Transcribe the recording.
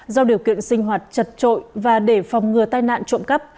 do điều kiện sinh hoạt chật trội và để phòng ngừa tai nạn trộm cắp